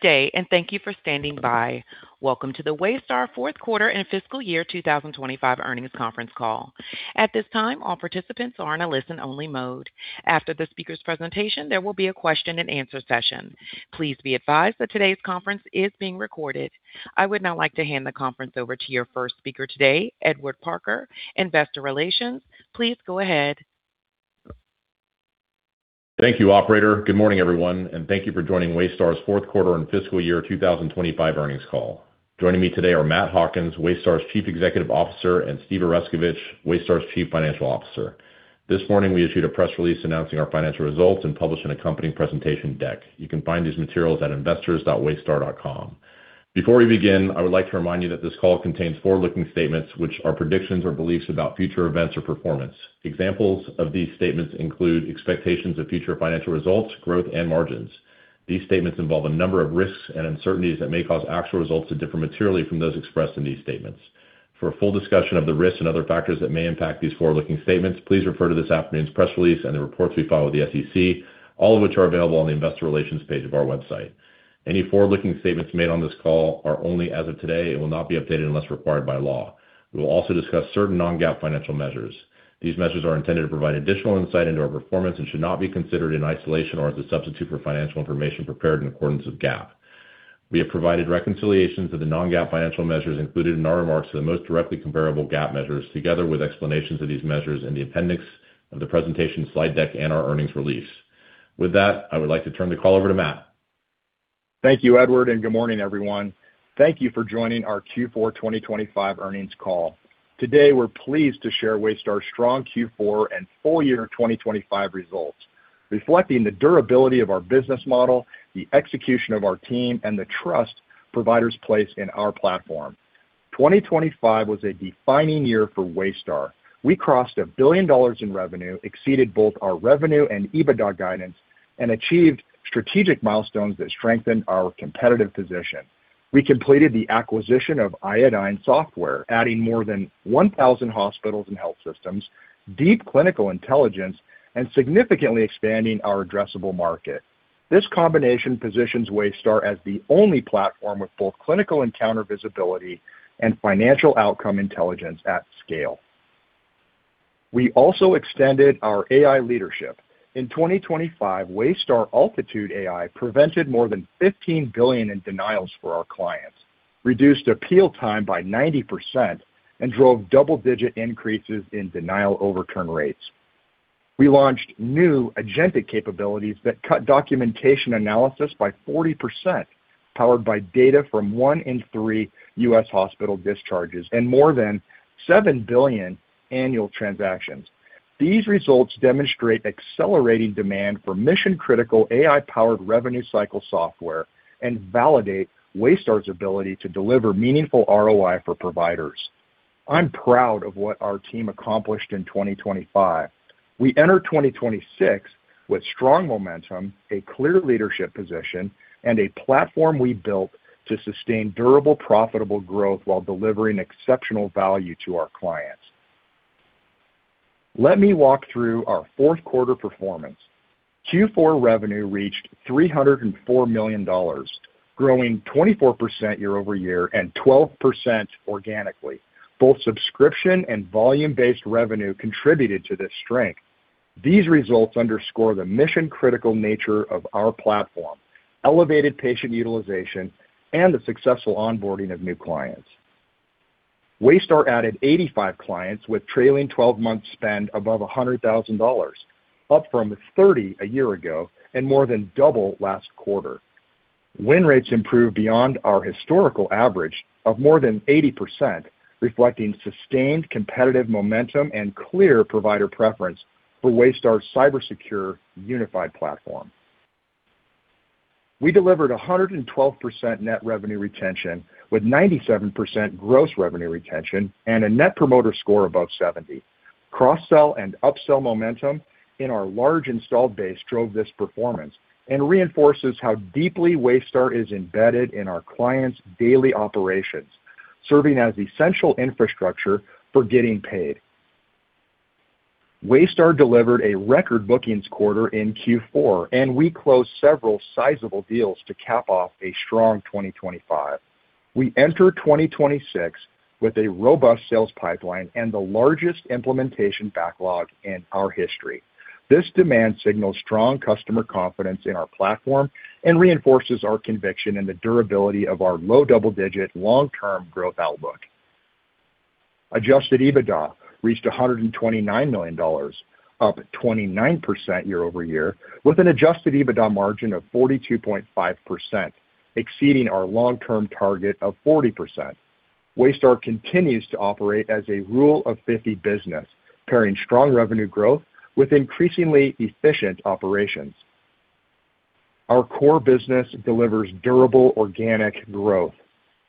Today, and thank you for standing by. Welcome to the Waystar fourth quarter and fiscal year 2025 Earnings Conference Call. At this time, all participants are in a listen-only mode. After the speaker's presentation, there will be a question-and-answer session. Please be advised that today's conference is being recorded. I would now like to hand the conference over to your first speaker today, Edward Parker, Investor Relations. Please go ahead. Thank you, operator. Good morning, everyone, and thank you for joining Waystar's fourth quarter and fiscal year 2025 Earnings Call. Joining me today are Matt Hawkins, Waystar's Chief Executive Officer, and Steve Oreskovich, Waystar's Chief Financial Officer. This morning, we issued a press release announcing our financial results and published an accompanying presentation deck. You can find these materials at investors.waystar.com. Before we begin, I would like to remind you that this call contains forward-looking statements, which are predictions or beliefs about future events or performance. Examples of these statements include expectations of future financial results, growth, and margins. These statements involve a number of risks and uncertainties that may cause actual results to differ materially from those expressed in these statements. For a full discussion of the risks and other factors that may impact these forward-looking statements, please refer to this afternoon's press release and the reports we file with the SEC, all of which are available on the Investor Relations page of our website. Any forward-looking statements made on this call are only as of today and will not be updated unless required by law. We will also discuss certain non-GAAP financial measures. These measures are intended to provide additional insight into our performance and should not be considered in isolation or as a substitute for financial information prepared in accordance with GAAP. We have provided reconciliations of the non-GAAP financial measures included in our remarks to the most directly comparable GAAP measures, together with explanations of these measures in the appendix of the presentation slide deck and our earnings release. With that, I would like to turn the call over to Matt. Thank you, Edward, and good morning, everyone. Thank you for joining our Q4 2025 earnings call. Today, we're pleased to share Waystar's strong Q4 and full year 2025 results, reflecting the durability of our business model, the execution of our team, and the trust providers place in our platform. 2025 was a defining year for Waystar. We crossed $1 billion in revenue, exceeded both our revenue and EBITDA guidance, and achieved strategic milestones that strengthened our competitive position. We completed the acquisition of Iodine Software, adding more than 1,000 hospitals and health systems, deep clinical intelligence, and significantly expanding our addressable market. This combination positions Waystar as the only platform with both clinical encounter visibility and financial outcome intelligence at scale. We also extended our AI leadership. In 2025, Waystar Altitude AI prevented more than $15 billion in denials for our clients, reduced appeal time by 90%, and drove double-digit increases in denial overturn rates. We launched new agentic capabilities that cut documentation analysis by 40%, powered by data from 1 in 3 U.S. hospital discharges and more than 7 billion annual transactions. These results demonstrate accelerating demand for mission-critical, AI-powered revenue cycle software and validate Waystar's ability to deliver meaningful ROI for providers. I'm proud of what our team accomplished in 2025. We enter 2026 with strong momentum, a clear leadership position, and a platform we built to sustain durable, profitable growth while delivering exceptional value to our clients. Let me walk through our fourth quarter performance. Q4 revenue reached $304 million, growing 24% year-over-year and 12% organically. Both subscription and volume-based revenue contributed to this strength. These results underscore the mission-critical nature of our platform, elevated patient utilization, and the successful onboarding of new clients. Waystar added 85 clients with trailing twelve-month spend above $100,000, up from 30 a year ago and more than double last quarter. Win rates improved beyond our historical average of more than 80%, reflecting sustained competitive momentum and clear provider preference for Waystar's cybersecure, unified platform. We delivered 112% net revenue retention, with 97% gross revenue retention and a Net Promoter Score above 70. Cross-sell and upsell momentum in our large installed base drove this performance and reinforces how deeply Waystar is embedded in our clients' daily operations, serving as essential infrastructure for getting paid. Waystar delivered a record bookings quarter in Q4, and we closed several sizable deals to cap off a strong 2025. We enter 2026 with a robust sales pipeline and the largest implementation backlog in our history. This demand signals strong customer confidence in our platform and reinforces our conviction in the durability of our low double-digit long-term growth outlook. Adjusted EBITDA reached $129 million, up 29% year-over-year, with an adjusted EBITDA margin of 42.5%, exceeding our long-term target of 40%. Waystar continues to operate as a Rule of Fifty business, pairing strong revenue growth with increasingly efficient operations. Our core business delivers durable, organic growth.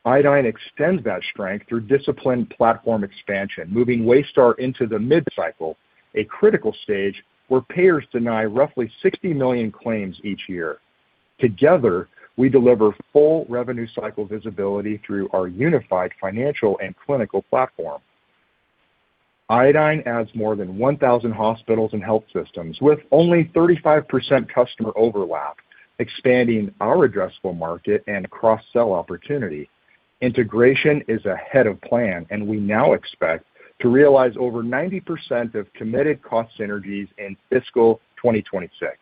Iodine extends that strength through disciplined platform expansion, moving Waystar into the mid-cycle, a critical stage where payers deny roughly 60 million claims each year. Together, we deliver full revenue cycle visibility through our unified financial and clinical platform. Iodine adds more than 1,000 hospitals and health systems, with only 35% customer overlap, expanding our addressable market and cross-sell opportunity. Integration is ahead of plan, and we now expect to realize over 90% of committed cost synergies in fiscal 2026.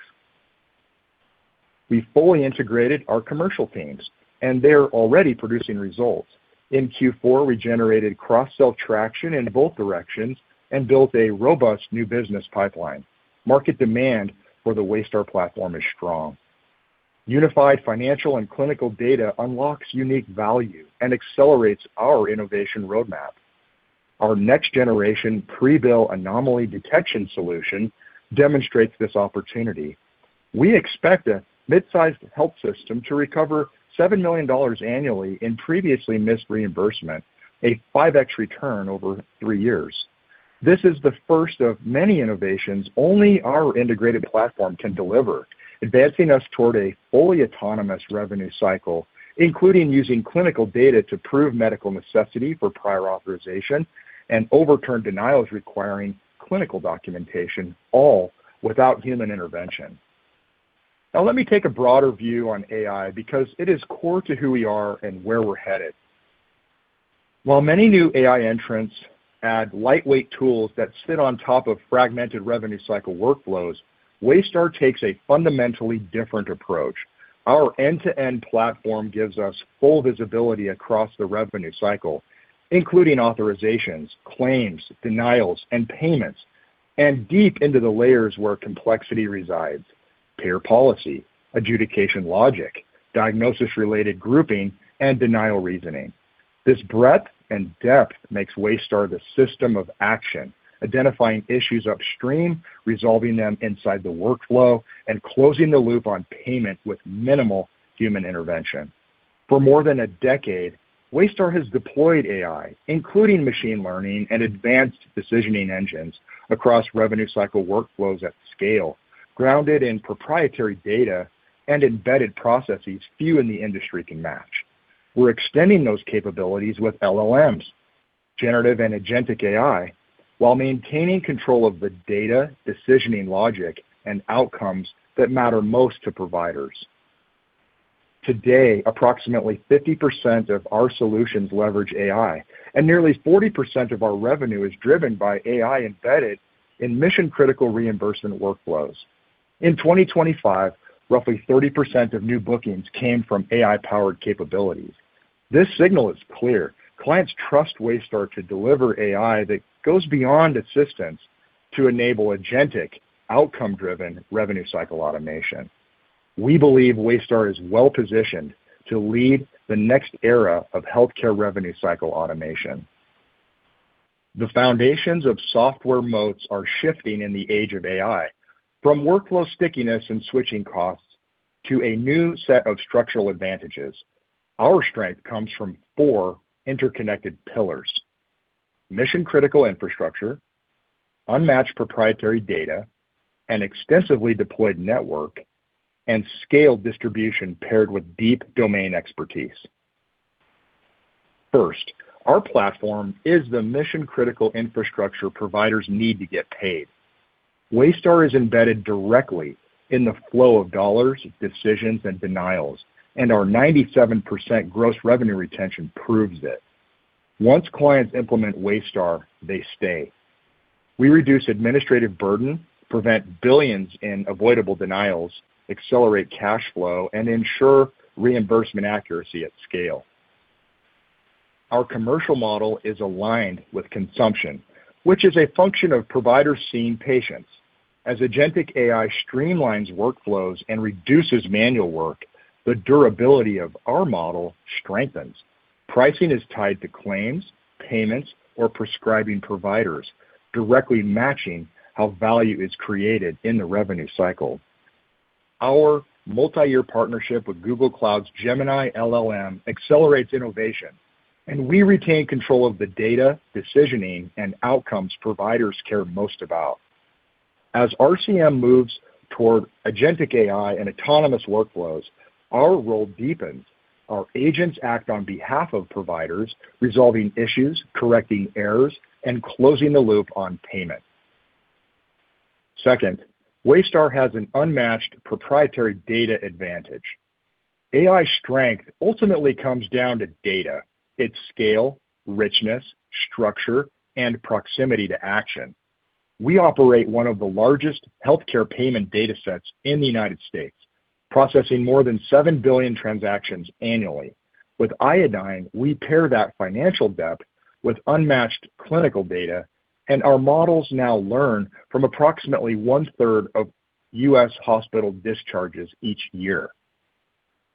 We've fully integrated our commercial teams, and they're already producing results. In Q4, we generated cross-sell traction in both directions and built a robust new business pipeline. Market demand for the Waystar platform is strong. Unified financial and clinical data unlocks unique value and accelerates our innovation roadmap. Our next-generation Pre-Bill Anomaly Detection solution demonstrates this opportunity. We expect a mid-sized health system to recover $7 million annually in previously missed reimbursement, a 5x return over 3 years. This is the first of many innovations only our integrated platform can deliver, advancing us toward a fully autonomous revenue cycle, including using clinical data to prove medical necessity for prior authorization and overturn denials requiring clinical documentation, all without human intervention. Now, let me take a broader view on AI, because it is core to who we are and where we're headed. While many new AI entrants add lightweight tools that sit on top of fragmented revenue cycle workflows, Waystar takes a fundamentally different approach. Our end-to-end platform gives us full visibility across the revenue cycle, including authorizations, claims, denials, and payments, and deep into the layers where complexity resides: payer policy, adjudication logic, diagnosis-related grouping, and denial reasoning. This breadth and depth makes Waystar the system of action, identifying issues upstream, resolving them inside the workflow, and closing the loop on payment with minimal human intervention. For more than a decade, Waystar has deployed AI, including machine learning and advanced decisioning engines, across revenue cycle workflows at scale, grounded in proprietary data and embedded processes few in the industry can match. We're extending those capabilities with LLMs, generative and agentic AI, while maintaining control of the data, decisioning logic, and outcomes that matter most to providers. Today, approximately 50% of our solutions leverage AI, and nearly 40% of our revenue is driven by AI embedded in mission-critical reimbursement workflows. In 2025, roughly 30% of new bookings came from AI-powered capabilities. This signal is clear: clients trust Waystar to deliver AI that goes beyond assistance to enable agentic, outcome-driven revenue cycle automation. We believe Waystar is well positioned to lead the next era of healthcare revenue cycle automation. The foundations of software moats are shifting in the age of AI. From workflow stickiness and switching costs to a new set of structural advantages, our strength comes from four interconnected pillars: mission-critical infrastructure, unmatched proprietary data, an extensively deployed network, and scaled distribution paired with deep domain expertise. First, our platform is the mission-critical infrastructure providers need to get paid. Waystar is embedded directly in the flow of dollars, decisions, and denials, and our 97% gross revenue retention proves it. Once clients implement Waystar, they stay. We reduce administrative burden, prevent billions in avoidable denials, accelerate cash flow, and ensure reimbursement accuracy at scale. Our commercial model is aligned with consumption, which is a function of providers seeing patients. As agentic AI streamlines workflows and reduces manual work, the durability of our model strengthens. Pricing is tied to claims, payments, or prescribing providers, directly matching how value is created in the revenue cycle. Our multi-year partnership with Google Cloud's Gemini LLM accelerates innovation, and we retain control of the data, decisioning, and outcomes providers care most about. As RCM moves toward agentic AI and autonomous workflows, our role deepens. Our agents act on behalf of providers, resolving issues, correcting errors, and closing the loop on payment. Second, Waystar has an unmatched proprietary data advantage. AI strength ultimately comes down to data, its scale, richness, structure, and proximity to action. We operate one of the largest healthcare payment data sets in the United States, processing more than 7 billion transactions annually. With Iodine, we pair that financial depth with unmatched clinical data, and our models now learn from approximately one-third of U.S. hospital discharges each year.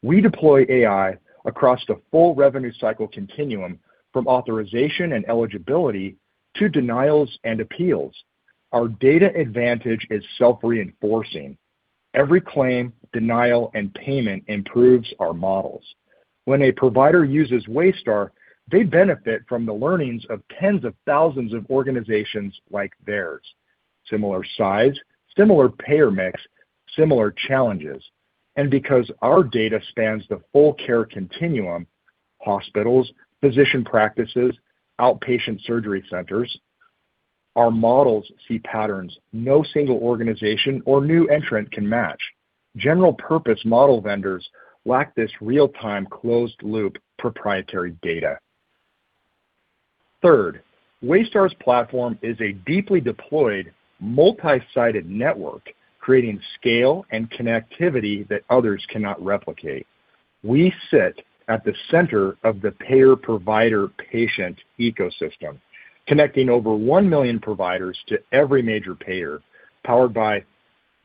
We deploy AI across the full revenue cycle continuum, from authorization and eligibility to denials and appeals. Our data advantage is self-reinforcing. Every claim, denial, and payment improves our models. When a provider uses Waystar, they benefit from the learnings of tens of thousands of organizations like theirs. Similar size, similar payer mix, similar challenges. And because our data spans the full care continuum,... hospitals, physician practices, outpatient surgery centers. Our models see patterns no single organization or new entrant can match. General purpose model vendors lack this real-time, closed loop proprietary data. Third, Waystar's platform is a deeply deployed, multi-sited network, creating scale and connectivity that others cannot replicate. We sit at the center of the payer-provider-patient ecosystem, connecting over 1 million providers to every major payer, powered by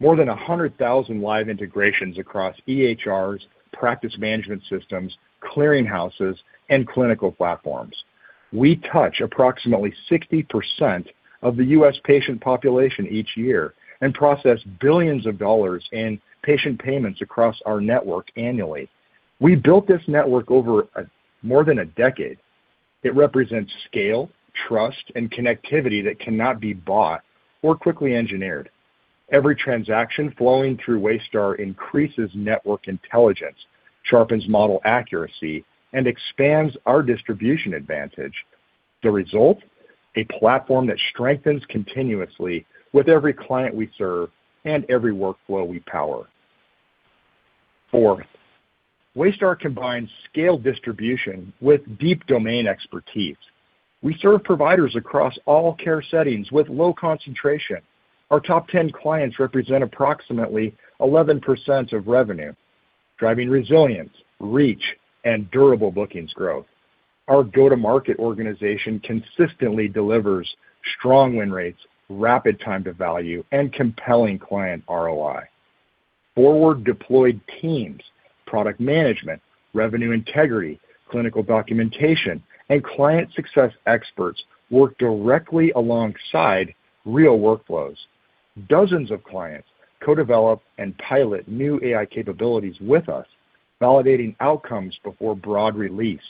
more than 100,000 live integrations across EHRs, practice management systems, clearinghouses, and clinical platforms. We touch approximately 60% of the U.S. patient population each year and process $ billions in patient payments across our network annually. We built this network over a, more than a decade. It represents scale, trust, and connectivity that cannot be bought or quickly engineered. Every transaction flowing through Waystar increases network intelligence, sharpens model accuracy, and expands our distribution advantage. The result? A platform that strengthens continuously with every client we serve and every workflow we power. Fourth, Waystar combines scale distribution with deep domain expertise. We serve providers across all care settings with low concentration. Our top 10 clients represent approximately 11% of revenue, driving resilience, reach, and durable bookings growth. Our go-to-market organization consistently delivers strong win rates, rapid time to value, and compelling client ROI. Forward-deployed teams, product management, revenue integrity, clinical documentation, and client success experts work directly alongside real workflows. Dozens of clients co-develop and pilot new AI capabilities with us, validating outcomes before broad release.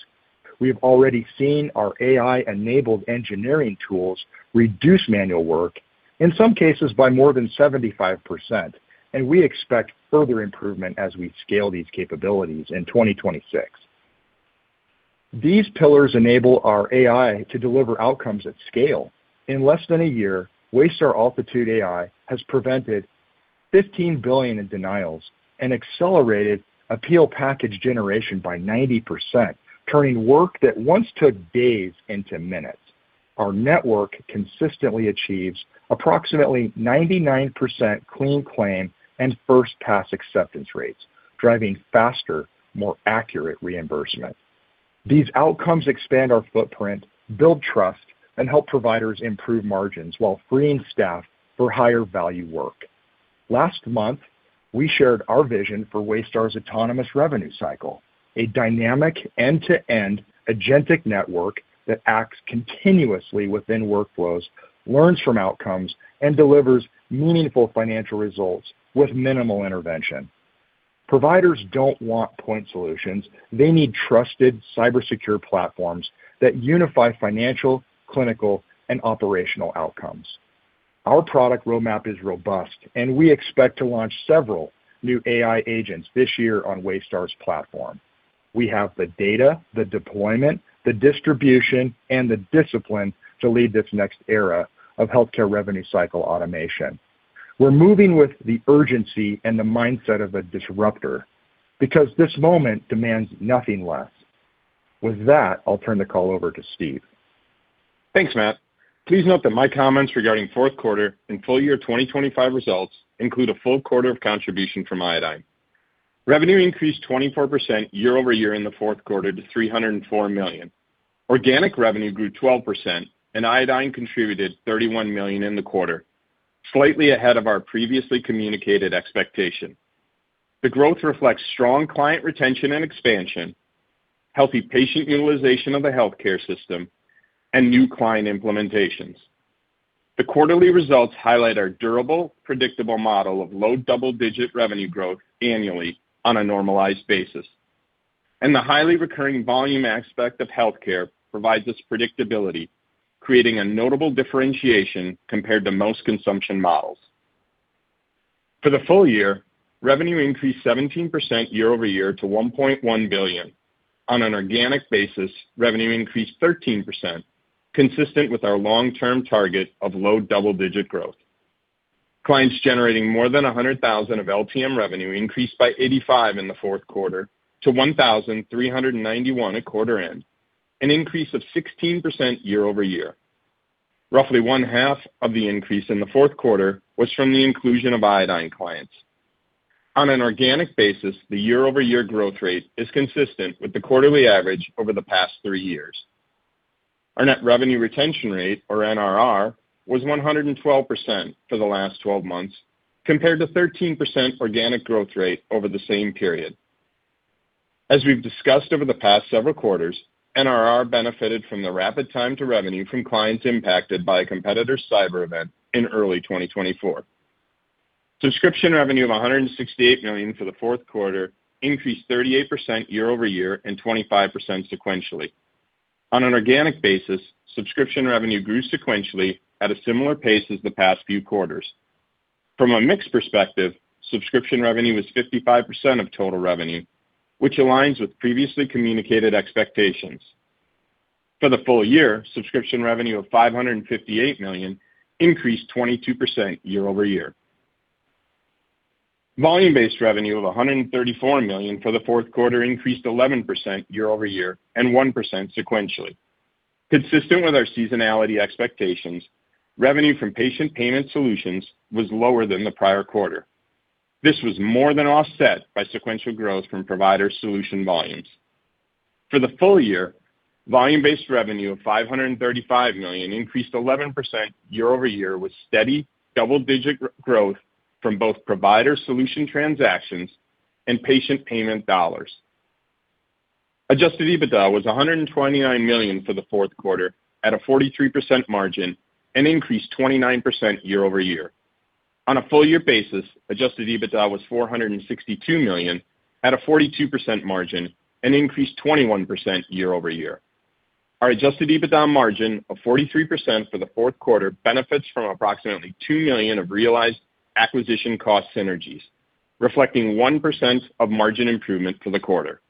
We've already seen our AI-enabled engineering tools reduce manual work, in some cases by more than 75%, and we expect further improvement as we scale these capabilities in 2026. These pillars enable our AI to deliver outcomes at scale. In less than a year, Waystar Altitude AI has prevented $15 billion in denials and accelerated appeal package generation by 90%, turning work that once took days into minutes. Our network consistently achieves approximately 99% clean claim and first pass acceptance rates, driving faster, more accurate reimbursement. These outcomes expand our footprint, build trust, and help providers improve margins while freeing staff for higher value work. Last month, we shared our vision for Waystar's autonomous revenue cycle, a dynamic, end-to-end agentic network that acts continuously within workflows, learns from outcomes, and delivers meaningful financial results with minimal intervention. Providers don't want point solutions. They need trusted, cybersecure platforms that unify financial, clinical, and operational outcomes. Our product roadmap is robust, and we expect to launch several new AI agents this year on Waystar's platform. We have the data, the deployment, the distribution, and the discipline to lead this next era of healthcare revenue cycle automation. We're moving with the urgency and the mindset of a disruptor, because this moment demands nothing less. With that, I'll turn the call over to Steve. Thanks, Matt. Please note that my comments regarding fourth quarter and full year 2025 results include a full quarter of contribution from Iodine. Revenue increased 24% year-over-year in the fourth quarter to $304 million. Organic revenue grew 12%, and Iodine contributed $31 million in the quarter, slightly ahead of our previously communicated expectation. The growth reflects strong client retention and expansion, healthy patient utilization of the healthcare system, and new client implementations. The quarterly results highlight our durable, predictable model of low double-digit revenue growth annually on a normalized basis, and the highly recurring volume aspect of healthcare provides us predictability, creating a notable differentiation compared to most consumption models. For the full year, revenue increased 17% year-over-year to $1.1 billion. On an organic basis, revenue increased 13%, consistent with our long-term target of low double-digit growth. Clients generating more than $100,000 of LTM revenue increased by 85 in the fourth quarter to 1,391 at quarter end, an increase of 16% year-over-year. Roughly one half of the increase in the fourth quarter was from the inclusion of Iodine clients. On an organic basis, the year-over-year growth rate is consistent with the quarterly average over the past three years. Our net revenue retention rate, or NRR, was 112% for the last twelve months, compared to 13% organic growth rate over the same period. As we've discussed over the past several quarters, NRR benefited from the rapid time to revenue from clients impacted by a competitor's cyber event in early 2024. Subscription revenue of $168 million for the fourth quarter increased 38% year-over-year and 25% sequentially. On an organic basis, subscription revenue grew sequentially at a similar pace as the past few quarters… From a mix perspective, subscription revenue was 55% of total revenue, which aligns with previously communicated expectations. For the full year, subscription revenue of $558 million increased 22% year-over-year. Volume-based revenue of $134 million for the fourth quarter increased 11% year-over-year, and 1% sequentially. Consistent with our seasonality expectations, revenue from patient payment solutions was lower than the prior quarter. This was more than offset by sequential growth from provider solution volumes. For the full year, volume-based revenue of $535 million increased 11% year-over-year, with steady double-digit growth from both provider solution transactions and patient payment dollars. Adjusted EBITDA was $129 million for the fourth quarter, at a 43% margin, and increased 29% year-over-year. On a full year basis, adjusted EBITDA was $462 million at a 42% margin and increased 21% year-over-year. Our adjusted EBITDA margin of 43% for the fourth quarter benefits from approximately $2 million of realized acquisition cost synergies, reflecting 1% of margin improvement for the quarter.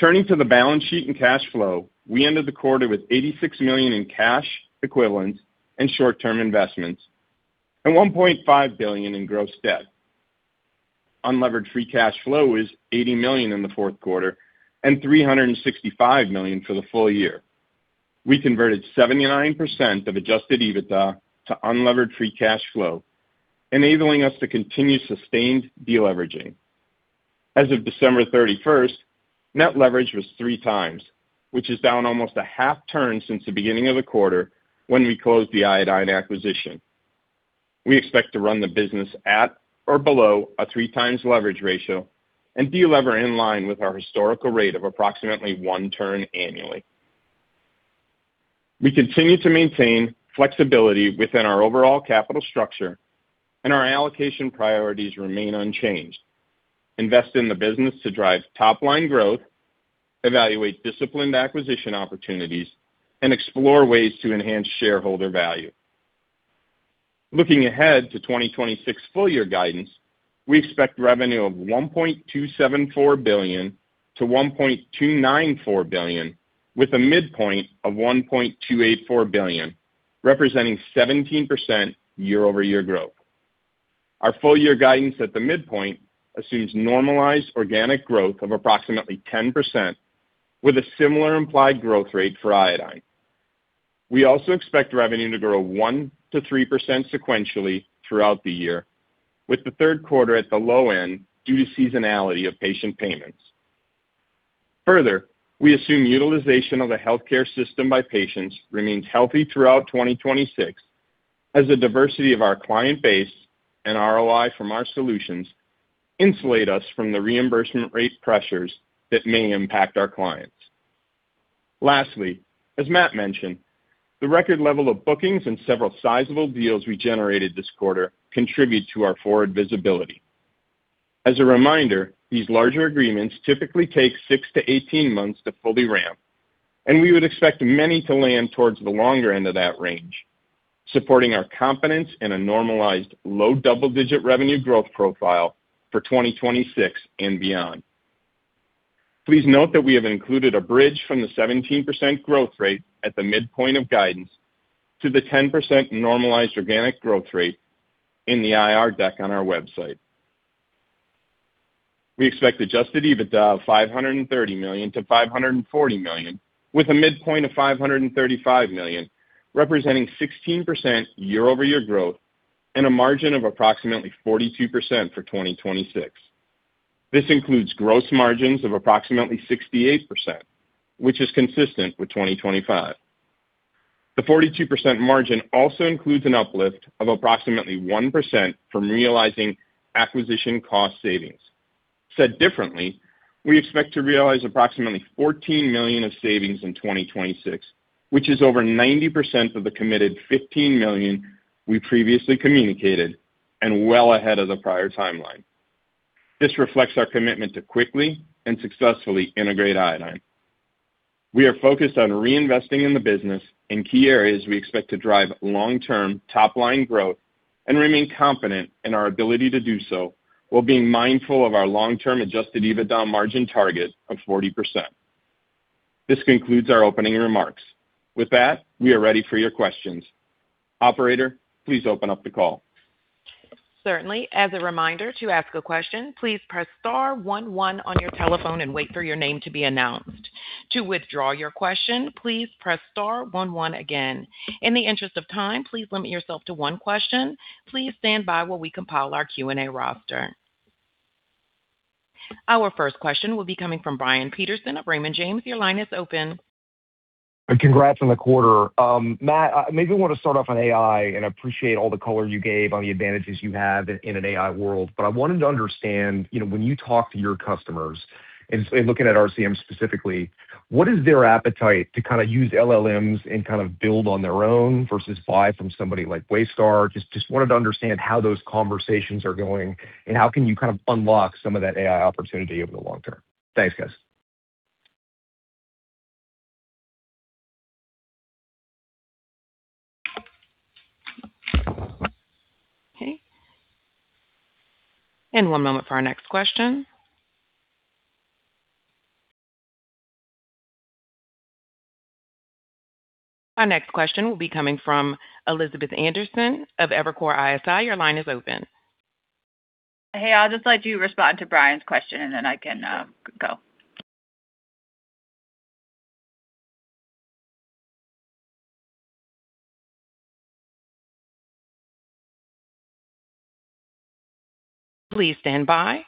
Turning to the balance sheet and cash flow, we ended the quarter with $86 million in cash equivalents and short-term investments, and $1.5 billion in gross debt. Unlevered free cash flow is $80 million in the fourth quarter and $365 million for the full year. We converted 79% of adjusted EBITDA to unlevered free cash flow, enabling us to continue sustained deleveraging. As of December 31st, net leverage was 3x, which is down almost a half turn since the beginning of the quarter when we closed the Iodine acquisition. We expect to run the business at or below a 3x leverage ratio and delever in line with our historical rate of approximately one turn annually. We continue to maintain flexibility within our overall capital structure, and our allocation priorities remain unchanged. Invest in the business to drive top-line growth, evaluate disciplined acquisition opportunities, and explore ways to enhance shareholder value. Looking ahead to 2026 full year guidance, we expect revenue of $1.274 billion-$1.294 billion, with a midpoint of $1.284 billion, representing 17% year-over-year growth. Our full year guidance at the midpoint assumes normalized organic growth of approximately 10%, with a similar implied growth rate for Iodine. We also expect revenue to grow 1%-3% sequentially throughout the year, with the third quarter at the low end due to seasonality of patient payments. Further, we assume utilization of the healthcare system by patients remains healthy throughout 2026, as the diversity of our client base and ROI from our solutions insulate us from the reimbursement rate pressures that may impact our clients. Lastly, as Matt mentioned, the record level of bookings and several sizable deals we generated this quarter contribute to our forward visibility. As a reminder, these larger agreements typically take 6-18 months to fully ramp, and we would expect many to land towards the longer end of that range, supporting our confidence in a normalized low double-digit revenue growth profile for 2026 and beyond. Please note that we have included a bridge from the 17% growth rate at the midpoint of guidance to the 10% normalized organic growth rate in the IR deck on our website. We expect Adjusted EBITDA of $530 million-$540 million, with a midpoint of $535 million, representing 16% year-over-year growth and a margin of approximately 42% for 2026. This includes gross margins of approximately 68%, which is consistent with 2025. The 42% margin also includes an uplift of approximately 1% from realizing acquisition cost savings. Said differently, we expect to realize approximately $14 million of savings in 2026, which is over 90% of the committed $15 million we previously communicated and well ahead of the prior timeline. This reflects our commitment to quickly and successfully integrate Iodine. We are focused on reinvesting in the business in key areas we expect to drive long-term top-line growth and remain confident in our ability to do so, while being mindful of our long-term adjusted EBITDA margin target of 40%. This concludes our opening remarks. With that, we are ready for your questions. Operator, please open up the call. Certainly. As a reminder, to ask a question, please press star one one on your telephone and wait for your name to be announced. To withdraw your question, please press star one one again. In the interest of time, please limit yourself to one question. Please stand by while we compile our Q&A roster. Our first question will be coming from Brian Peterson of Raymond James. Your line is open. Congrats on the quarter. Matt, I maybe want to start off on AI and appreciate all the color you gave on the advantages you have in an AI world. But I wanted to understand, you know, when you talk to your customers, and looking at RCM specifically, what is their appetite to kind of use LLMs and kind of build on their own versus buy from somebody like Waystar? Just wanted to understand how those conversations are going and how can you kind of unlock some of that AI opportunity over the long term. Thanks, guys. Okay. And one moment for our next question. Our next question will be coming from Elizabeth Anderson of Evercore ISI. Your line is open. Hey, I'll just let you respond to Brian's question, and then I can go. Please stand by.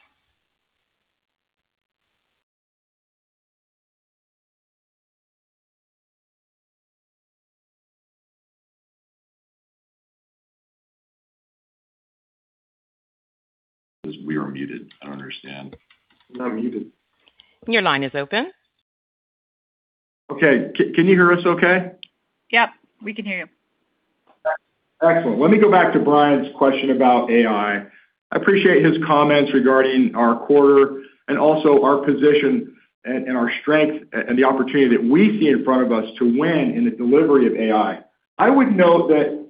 We are muted. I don't understand. You're not muted. Your line is open. Okay. Can you hear us okay? Yep, we can hear you. Excellent. Let me go back to Brian's question about AI. I appreciate his comments regarding our quarter and also our position and our strength and the opportunity that we see in front of us to win in the delivery of AI. I would note that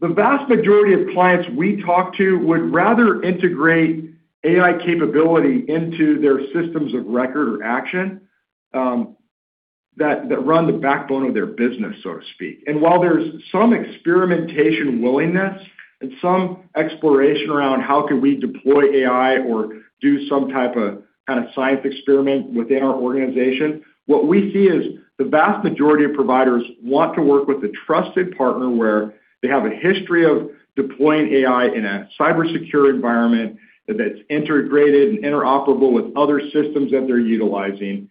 the vast majority of clients we talk to would rather integrate AI capability into their systems of record or action that run the backbone of their business, so to speak. And while there's some experimentation willingness and some exploration around how can we deploy AI or do some type of, kind of, science experiment within our organization, what we see is the vast majority of providers want to work with a trusted partner where they have a history of deploying AI in a cybersecure environment that's integrated and interoperable with other systems that they're utilizing.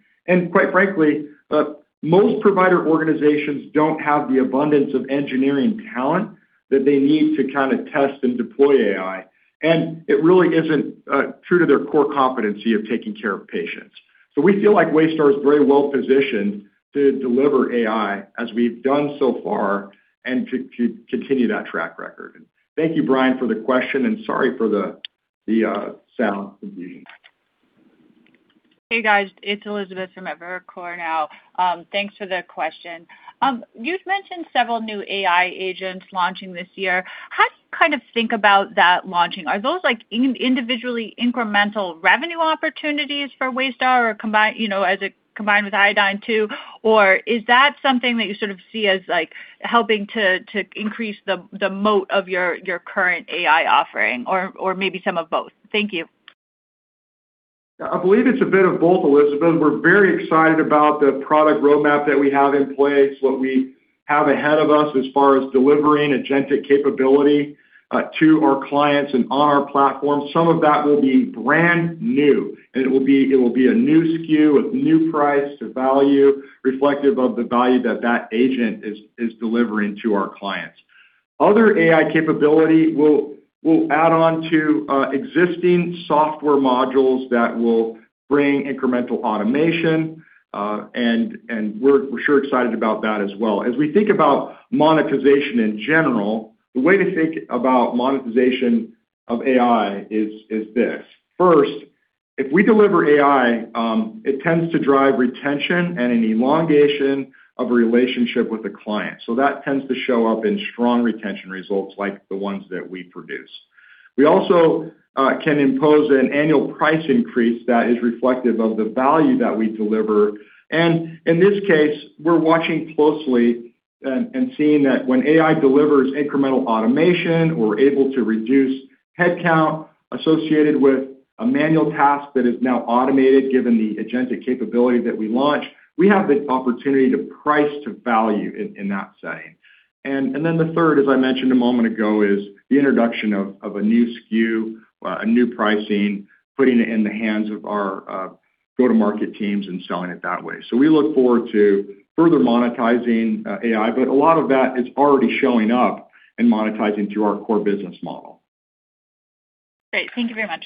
Quite frankly, most provider organizations don't have the abundance of engineering talent that they need to kind of test and deploy AI, and it really isn't true to their core competency of taking care of patients. So we feel like Waystar is very well positioned to deliver AI, as we've done so far, and to, to continue that track record. Thank you, Brian, for the question, and sorry for the sound confusion. Hey, guys, it's Elizabeth from Evercore now. Thanks for the question. You'd mentioned several new AI agents launching this year. How do you kind of think about that launching? Are those, like, individually incremental revenue opportunities for Waystar or combined, you know, as it combined with Iodine too? Or is that something that you sort of see as, like, helping to increase the moat of your current AI offering or maybe some of both? Thank you. I believe it's a bit of both, Elizabeth. We're very excited about the product roadmap that we have in place, what we have ahead of us as far as delivering agentic capability to our clients and on our platform. Some of that will be brand new, and it will be a new SKU with new price to value, reflective of the value that agent is delivering to our clients. Other AI capability will add on to existing software modules that will bring incremental automation, and we're sure excited about that as well. As we think about monetization in general, the way to think about monetization of AI is this: first, if we deliver AI, it tends to drive retention and an elongation of a relationship with the client. So that tends to show up in strong retention results like the ones that we produce. We also can impose an annual price increase that is reflective of the value that we deliver. And in this case, we're watching closely and seeing that when AI delivers incremental automation, we're able to reduce headcount associated with a manual task that is now automated, given the agentic capability that we launched. We have the opportunity to price to value in that setting. And then the third, as I mentioned a moment ago, is the introduction of a new SKU, a new pricing, putting it in the hands of our go-to-market teams and selling it that way. So we look forward to further monetizing AI, but a lot of that is already showing up in monetizing through our core business model. Great. Thank you very much.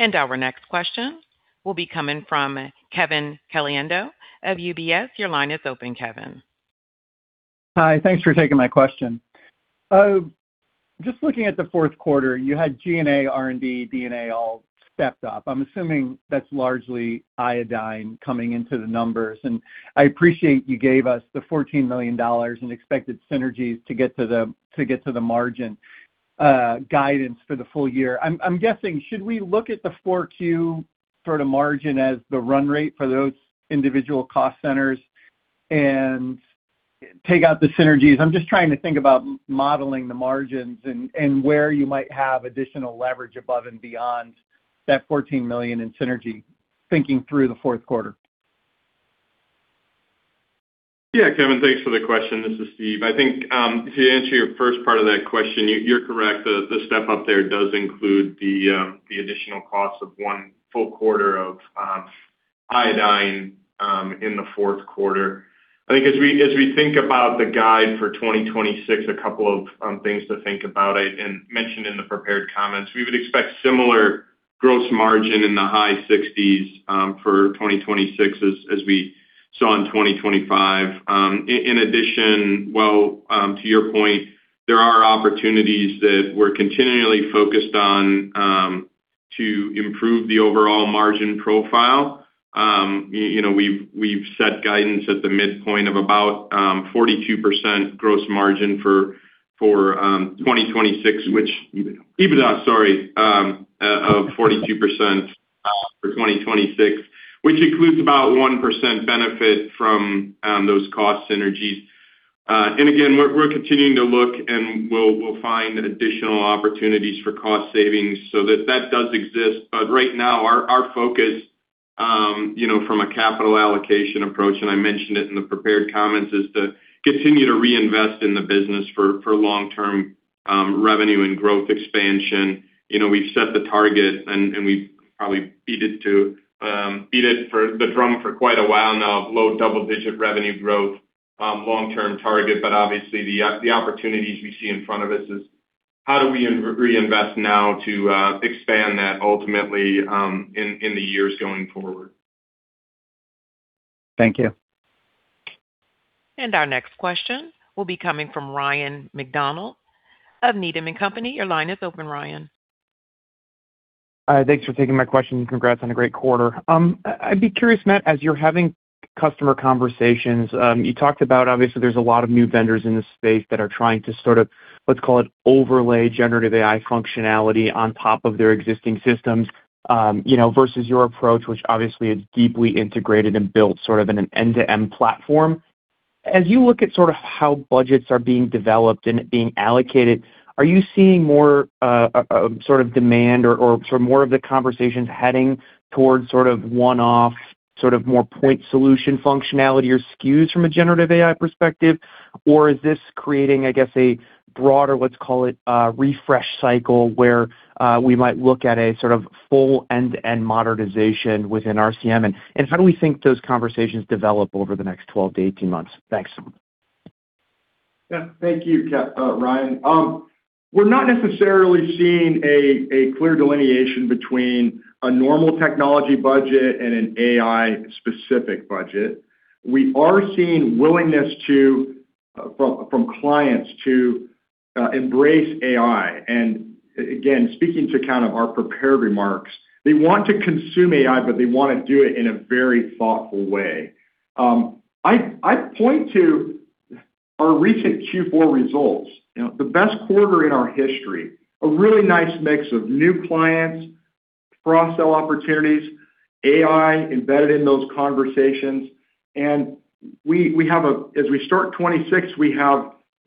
Our next question will be coming from Kevin Caliendo of UBS. Your line is open, Kevin. Hi. Thanks for taking my question. Just looking at the fourth quarter, you had G&A, R&D, SG&A all stepped up. I'm assuming that's largely Iodine coming into the numbers, and I appreciate you gave us the $14 million in expected synergies to get to the margin guidance for the full year. I'm guessing, should we look at the Q4 sort of margin as the run rate for those individual cost centers and take out the synergies? I'm just trying to think about modeling the margins and where you might have additional leverage above and beyond that $14 million in synergy, thinking through the fourth quarter. Yeah, Kevin, thanks for the question. This is Steve. I think to answer your first part of that question, you, you're correct. The step up there does include the additional costs of one full quarter of Iodine in the fourth quarter. I think as we think about the guide for 2026, a couple of things to think about, and mentioned in the prepared comments, we would expect similar gross margin in the high 60s for 2026 as we saw in 2025. In addition, well, to your point, there are opportunities that we're continually focused on to improve the overall margin profile. You know, we've set guidance at the midpoint of about 42% gross margin for 2026, which- EBITDA. EBITDA, sorry, of 42% for 2026, which includes about 1% benefit from those cost synergies. And again, we're continuing to look, and we'll find additional opportunities for cost savings, so that does exist. But right now, our focus, you know, from a capital allocation approach, and I mentioned it in the prepared comments, is to continue to reinvest in the business for long-term revenue and growth expansion. You know, we've set the target, and we've probably beat it to beat the drum for quite a while now of low double-digit revenue growth, long-term target. But obviously, the opportunities we see in front of us is how do we reinvest now to expand that ultimately, in the years going forward? Thank you. Our next question will be coming from Ryan MacDonald of Needham and Company. Your line is open, Ryan. Thanks for taking my question, and congrats on a great quarter. I'd be curious, Matt, as you're having customer conversations, you talked about, obviously, there's a lot of new vendors in this space that are trying to sort of, let's call it, overlay generative AI functionality on top of their existing systems, you know, versus your approach, which obviously is deeply integrated and built sort of in an end-to-end platform. As you look at sort of how budgets are being developed and being allocated, are you seeing more sort of demand or sort of more of the conversations heading towards sort of one-off, sort of more point solution functionality or SKUs from a generative AI perspective? Or is this creating, I guess, a broader, let's call it, refresh cycle, where we might look at a sort of full end-to-end modernization within RCM? And how do we think those conversations develop over the next 12-18 months? Thanks. Yeah. Thank you, Ryan. We're not necessarily seeing a clear delineation between a normal technology budget and an AI-specific budget. We are seeing willingness from clients to embrace AI. And again, speaking to kind of our prepared remarks, they want to consume AI, but they want to do it in a very thoughtful way. I point to our recent Q4 results, you know, the best quarter in our history, a really nice mix of new clients, cross-sell opportunities, AI embedded in those conversations. And we have, as we start 2026,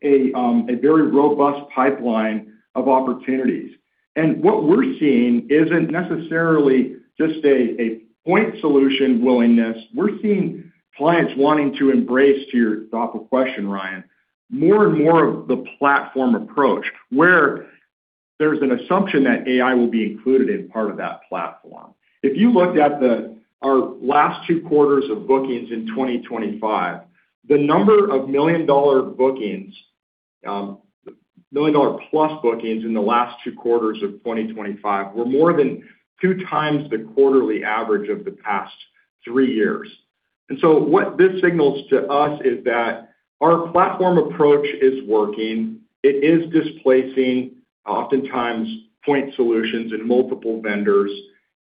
a very robust pipeline of opportunities. And what we're seeing isn't necessarily just a point solution willingness. We're seeing clients wanting to embrace, to your thoughtful question, Ryan, more and more of the platform approach, where there's an assumption that AI will be included in part of that platform. If you looked at our last two quarters of bookings in 2025, the number of million-dollar bookings, million-dollar-plus bookings in the last two quarters of 2025, were more than 2 times the quarterly average of the past 3 years. And so what this signals to us is that our platform approach is working. It is displacing, oftentimes, point solutions and multiple vendors,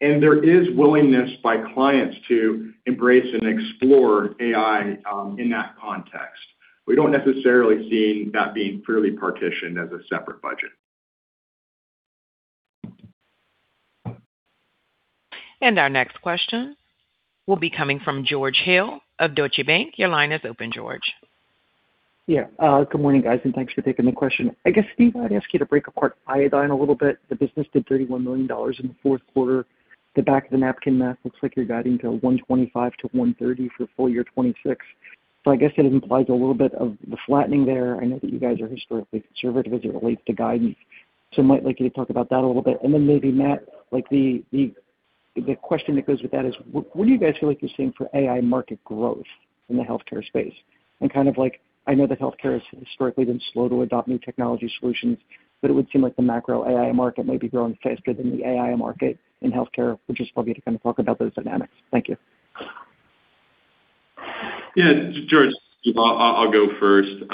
and there is willingness by clients to embrace and explore AI, in that context. We don't necessarily seeing that being clearly partitioned as a separate budget. Our next question will be coming from George Hill of Deutsche Bank. Your line is open, George. Yeah. Good morning, guys, and thanks for taking the question. I guess, Steve, I'd ask you to break apart Iodine a little bit. The business did $31 million in the fourth quarter. The back-of-the-napkin math looks like you're guiding to $125 million-$130 million for full year 2026. So I guess it implies a little bit of the flattening there. I know that you guys are historically conservative as it relates to guidance, so I might like you to talk about that a little bit. And then maybe, Matt, like, the question that goes with that is, what do you guys feel like you're seeing for AI market growth in the healthcare space? Kind of like, I know that healthcare has historically been slow to adopt new technology solutions, but it would seem like the macro AI market may be growing faster than the AI market in healthcare. I would just love you to kind of talk about those dynamics. Thank you. Yeah, George, I'll go first. You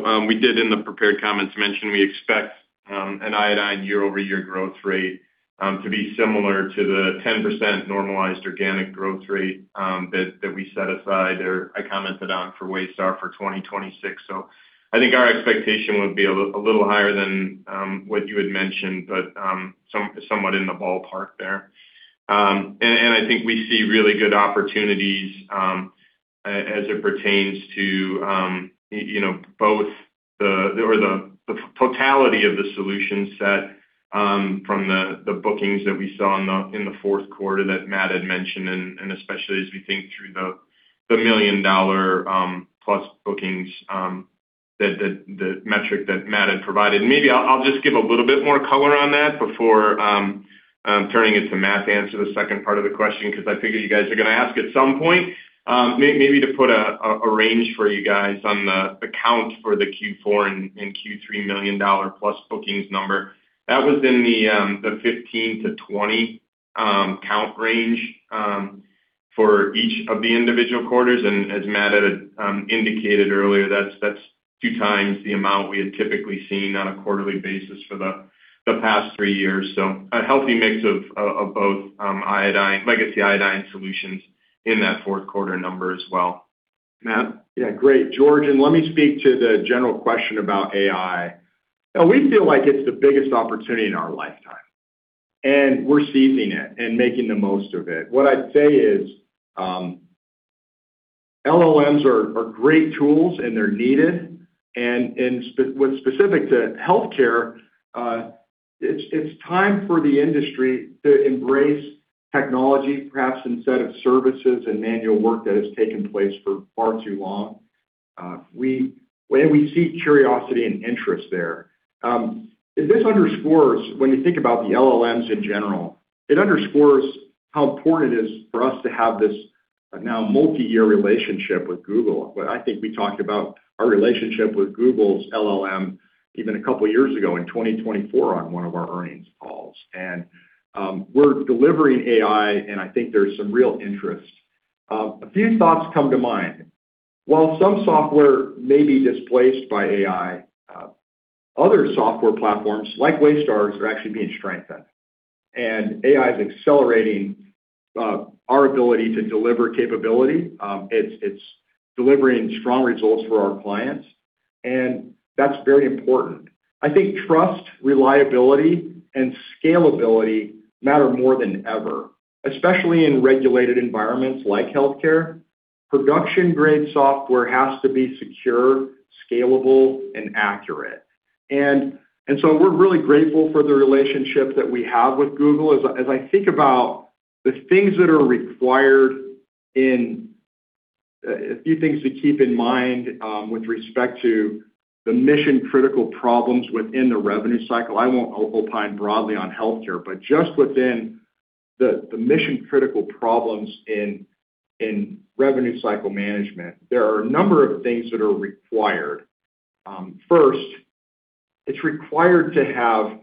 know, we did in the prepared comments mention we expect an Iodine year-over-year growth rate to be similar to the 10% normalized organic growth rate that we set aside, or I commented on for Waystar for 2026. So I think our expectation would be a little higher than what you had mentioned, but somewhat in the ballpark there. And I think we see really good opportunities as it pertains to you know, both the totality of the solution set from the bookings that we saw in the fourth quarter that Matt had mentioned, and especially as we think through the million-dollar-plus bookings, the metric that Matt had provided. Maybe I'll just give a little bit more color on that before turning it to Matt to answer the second part of the question, because I figure you guys are gonna ask at some point. Maybe to put a range for you guys on the count for the Q4 and Q3 million-dollar-plus bookings number. That was in the 15-20 count range for each of the individual quarters, and as Matt had indicated earlier, that's two times the amount we had typically seen on a quarterly basis for the past three years. So a healthy mix of both Iodine, legacy Iodine solutions in that fourth quarter number as well. Matt? Yeah, great, George, and let me speak to the general question about AI. Now, we feel like it's the biggest opportunity in our lifetime, and we're seizing it and making the most of it. What I'd say is, LLMs are great tools, and they're needed. What's specific to healthcare, it's time for the industry to embrace technology, perhaps instead of services and manual work that has taken place for far too long. And we see curiosity and interest there. This underscores, when you think about the LLMs in general, it underscores how important it is for us to have this now multi-year relationship with Google. But I think we talked about our relationship with Google's LLM even a couple of years ago, in 2024, on one of our earnings calls. We're delivering AI, and I think there's some real interest. A few thoughts come to mind. While some software may be displaced by AI, other software platforms, like Waystar's, are actually being strengthened, and AI is accelerating our ability to deliver capability. It's delivering strong results for our clients, and that's very important. I think trust, reliability, and scalability matter more than ever, especially in regulated environments like healthcare. Production-grade software has to be secure, scalable, and accurate. And so we're really grateful for the relationship that we have with Google. As I think about the things that are required in a few things to keep in mind, with respect to the mission-critical problems within the revenue cycle, I won't opine broadly on healthcare, but just within the mission-critical problems in revenue cycle management, there are a number of things that are required. First, it's required to have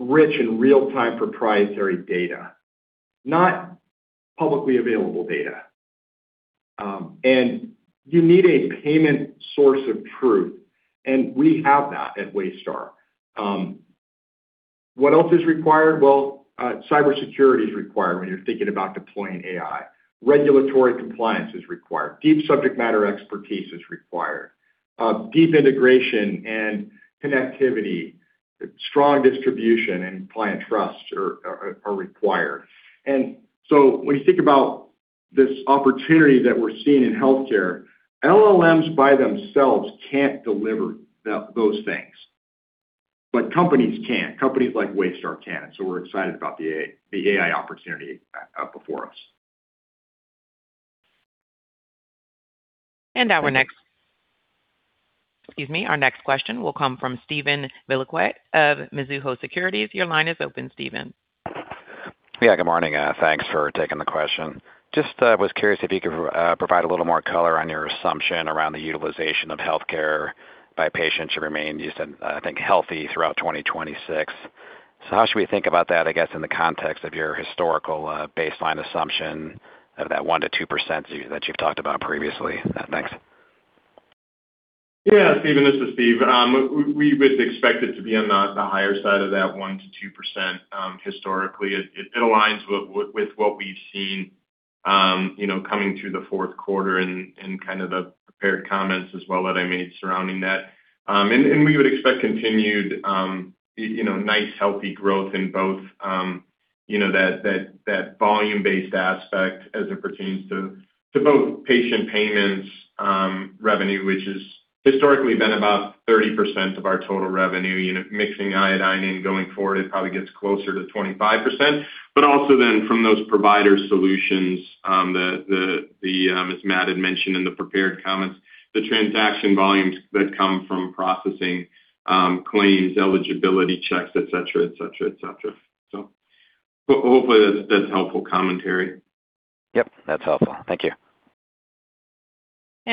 rich and real-time proprietary data, not publicly available data. And you need a payment source of truth, and we have that at Waystar. What else is required? Well, cybersecurity is required when you're thinking about deploying AI. Regulatory compliance is required. Deep subject matter expertise is required. Deep integration and connectivity, strong distribution and client trust are required. So when you think about this opportunity that we're seeing in healthcare, LLMs by themselves can't deliver the, those things, but companies can. Companies like Waystar can. We're excited about the AI opportunity before us. Excuse me. Our next question will come from Steven Valiquette of Mizuho Securities. Your line is open, Steven. Yeah, good morning. Thanks for taking the question. Just was curious if you could provide a little more color on your assumption around the utilization of healthcare by patients who remain, you said, I think, healthy throughout 2026. So how should we think about that, I guess, in the context of your historical baseline assumption of that 1%-2% that you've talked about previously? Thanks. Yeah, Steven, this is Steve. We would expect it to be on the higher side of that 1%-2%, historically. It aligns with what we've seen, you know, coming through the fourth quarter and kind of the prepared comments as well that I made surrounding that. And we would expect continued, you know, nice, healthy growth in both, you know, that volume-based aspect as it pertains to both patient payments revenue, which has historically been about 30% of our total revenue. Unit mixing Iodine in, going forward, it probably gets closer to 25%. But also then from those provider solutions, as Matt had mentioned in the prepared comments, the transaction volumes that come from processing claims, eligibility checks, et cetera, et cetera, et cetera. So hopefully, that's helpful commentary. Yep, that's helpful. Thank you.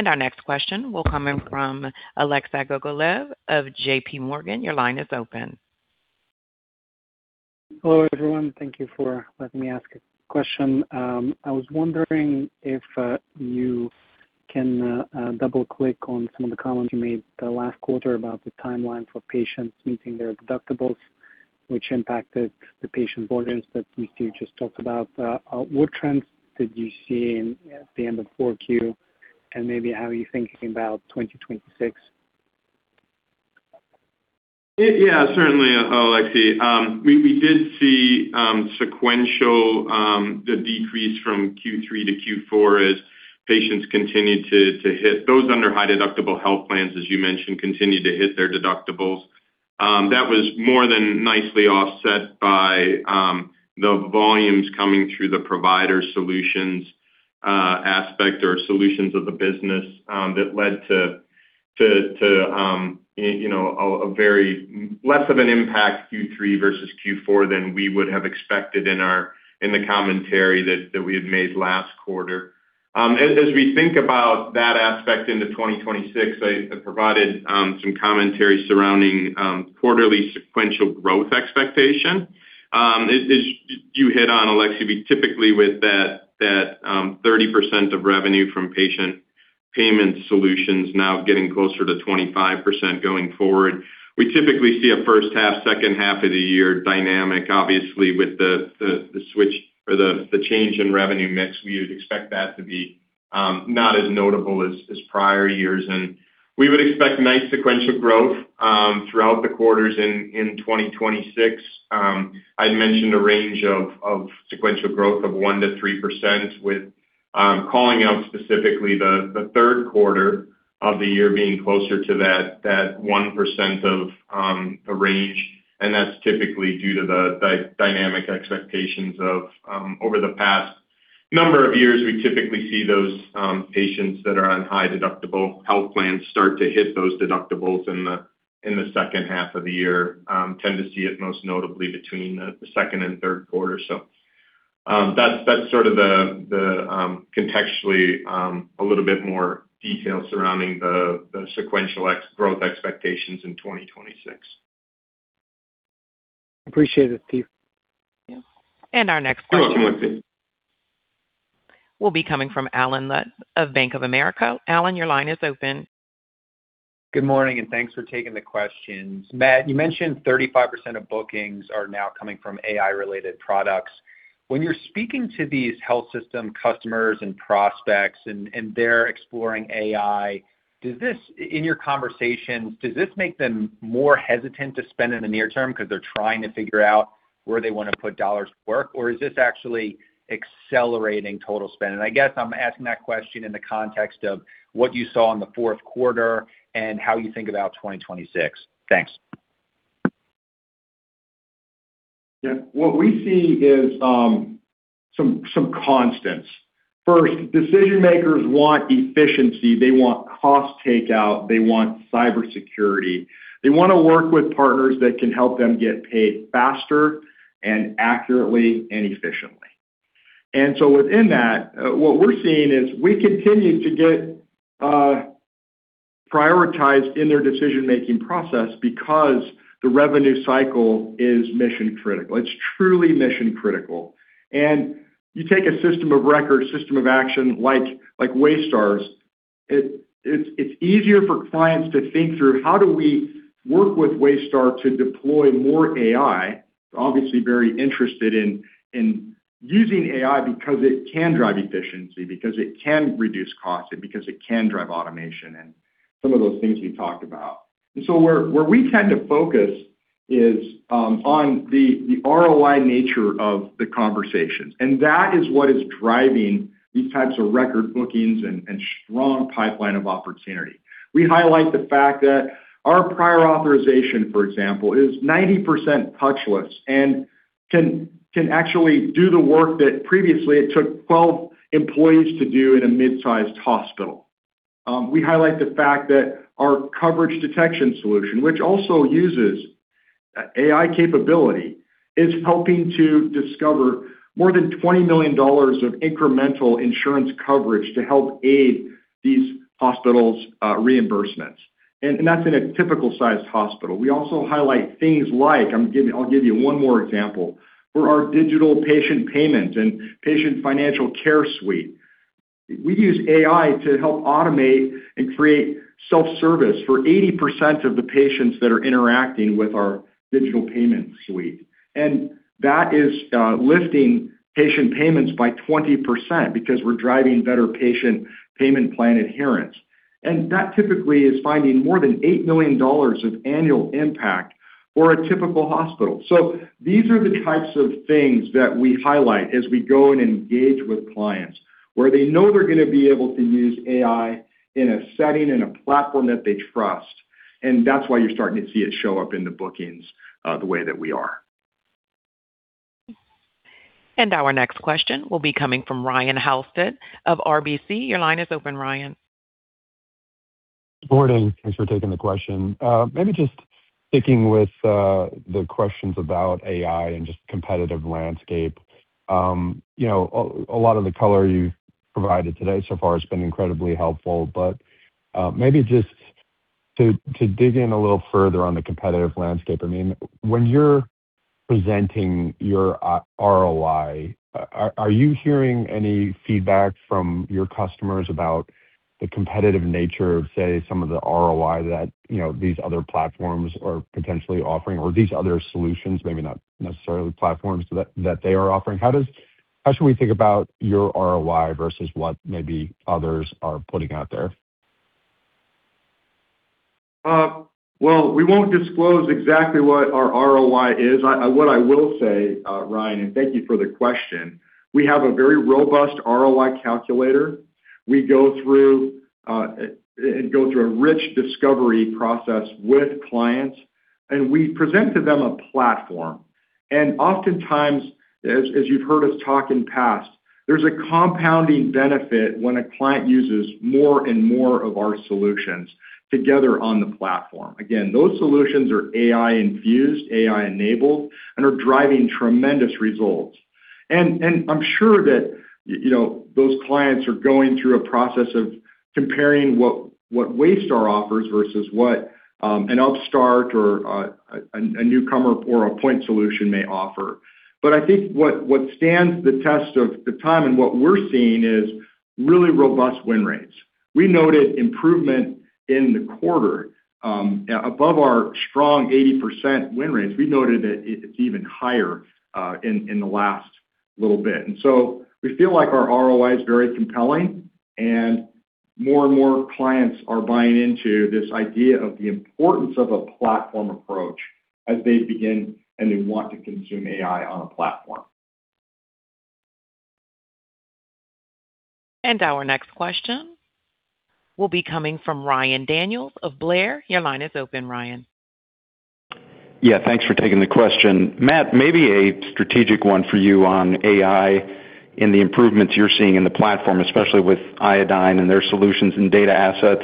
Our next question will come in from Alexei Gogolev of J.P. Morgan. Your line is open. Hello, everyone. Thank you for letting me ask a question. I was wondering if you can double-click on some of the comments you made the last quarter about the timeline for patients meeting their deductibles, which impacted the patient volumes that you two just talked about. What trends did you see in at the end of 4Q, and maybe how are you thinking about 2026? Yeah, certainly, Alexei. We did see sequential the decrease from Q3 to Q4 as patients continued to hit those under high-deductible health plans, as you mentioned, continued to hit their deductibles. That was more than nicely offset by the volumes coming through the provider solutions aspect or solutions of the business that led to you know a very less of an impact Q3 versus Q4 than we would have expected in the commentary that we had made last quarter. As we think about that aspect into 2026, I provided some commentary surrounding quarterly sequential growth expectation. As you hit on, Alexei, typically with that 30% of revenue from patient payment solutions now getting closer to 25% going forward, we typically see a first half, second half of the year dynamic. Obviously, with the switch or the change in revenue mix, we would expect that to be not as notable as prior years, and we would expect nice sequential growth throughout the quarters in 2026. I'd mentioned a range of sequential growth of 1%-3%, with calling out specifically the third quarter of the year being closer to that 1% of the range, and that's typically due to the dynamic expectations of... Over the past number of years, we typically see those patients that are on high deductible health plans start to hit those deductibles in the second half of the year, tend to see it most notably between the second and third quarter. So, that's sort of the contextually a little bit more detail surrounding the sequential growth expectations in 2026. Appreciate it, Steve. Our next question- You're welcome, Anthony. Will be coming from Allen Lutz of Bank of America. Allen, your line is open. Good morning, and thanks for taking the questions. Matt, you mentioned 35% of bookings are now coming from AI-related products. When you're speaking to these health system customers and prospects, and they're exploring AI, does this. In your conversations, does this make them more hesitant to spend in the near term because they're trying to figure out where they wanna put dollars to work, or is this actually accelerating total spend? And I guess I'm asking that question in the context of what you saw in the fourth quarter and how you think about 2026. Thanks. Yeah. What we see is some constants. First, decision-makers want efficiency, they want cost takeout, they want cybersecurity. They wanna work with partners that can help them get paid faster and accurately and efficiently. And so within that, what we're seeing is we continue to get prioritized in their decision-making process because the revenue cycle is mission-critical. It's truly mission-critical. And you take a system of record, system of action, like Waystar's, it's easier for clients to think through, how do we work with Waystar to deploy more AI? Obviously, very interested in using AI because it can drive efficiency, because it can reduce costs, and because it can drive automation, and some of those things you talked about. And so where we tend to focus is on the ROI nature of the conversations, and that is what is driving these types of record bookings and strong pipeline of opportunity. We highlight the fact that our prior authorization, for example, is 90% touchless and can actually do the work that previously it took 12 employees to do in a mid-sized hospital. We highlight the fact that our Coverage Detection solution, which also uses AI capability, is helping to discover more than $20 million of incremental insurance coverage to help aid these hospitals' reimbursements, and that's in a typical-sized hospital. We also highlight things like... I'll give you one more example. For our digital patient payments and Patient Financial Care suite, we use AI to help automate and create self-service for 80% of the patients that are interacting with our digital payment suite. That is lifting patient payments by 20% because we're driving better patient payment plan adherence. And that typically is finding more than $8 million of annual impact for a typical hospital. So these are the types of things that we highlight as we go and engage with clients, where they know they're gonna be able to use AI in a setting, in a platform that they trust, and that's why you're starting to see it show up in the bookings, the way that we are. Our next question will be coming from Ryan Halsted of RBC. Your line is open, Ryan. Good morning. Thanks for taking the question. Maybe just sticking with the questions about AI and just competitive landscape. You know, a lot of the color you've provided today so far has been incredibly helpful, but maybe just to dig in a little further on the competitive landscape. I mean, when you're presenting your ROI, are you hearing any feedback from your customers about the competitive nature of, say, some of the ROI that, you know, these other platforms are potentially offering or these other solutions, maybe not necessarily platforms, that they are offering? How should we think about your ROI versus what maybe others are putting out there? Well, we won't disclose exactly what our ROI is. What I will say, Ryan, and thank you for the question, we have a very robust ROI calculator. We go through a rich discovery process with clients, and we present to them a platform. And oftentimes, as you've heard us talk in past, there's a compounding benefit when a client uses more and more of our solutions together on the platform. Again, those solutions are AI infused, AI enabled, and are driving tremendous results... And I'm sure that, you know, those clients are going through a process of comparing what Waystar offers versus what an upstart or a newcomer or a point solution may offer. But I think what stands the test of the time and what we're seeing is really robust win rates. We noted improvement in the quarter, above our strong 80% win rates. We noted that it's even higher, in the last little bit. And so we feel like our ROI is very compelling, and more and more clients are buying into this idea of the importance of a platform approach as they begin, and they want to consume AI on a platform. Our next question will be coming from Ryan Daniels of Blair. Your line is open, Ryan. Yeah, thanks for taking the question. Matt, maybe a strategic one for you on AI and the improvements you're seeing in the platform, especially with Iodine and their solutions and data assets.